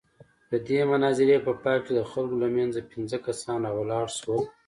د دې مناظرې په پاى کښې د خلقو له منځه پينځه کسان راولاړ سول.